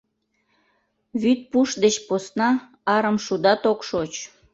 Вӱд пуш деч посна арым шудат ок шоч.